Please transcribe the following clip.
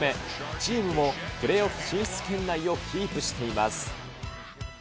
チームもプレーオフ進出圏内をキープしています。